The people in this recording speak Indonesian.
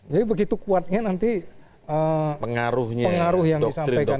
jadi begitu kuatnya nanti pengaruh yang disampaikan